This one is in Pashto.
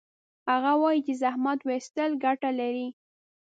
هغه وایي چې زحمت ویستل ګټه لري